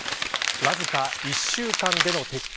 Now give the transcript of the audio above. わずか１週間での撤回。